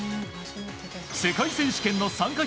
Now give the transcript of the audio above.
世界選手権の参加